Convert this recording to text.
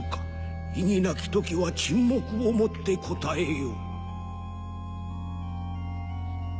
異議なき時は沈黙をもって答えよ。